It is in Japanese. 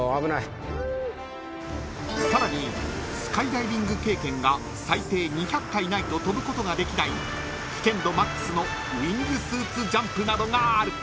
［さらにスカイダイビング経験が最低２００回ないと飛ぶことができない危険度マックスのウイングスーツジャンプなどがある］